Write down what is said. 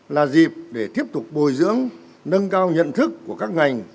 là dịp để tiếp tục bồi dưỡng nâng cao nhận thức của các ngành